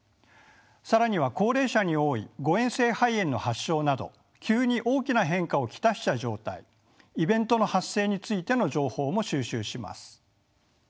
更には高齢者に多い誤えん性肺炎の発症など急に大きな変化を来した状態イベントの発生についての情報も収集します。